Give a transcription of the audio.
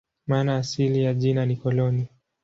Maana asili ya jina ni "koloni".